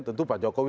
tentu pak jokowi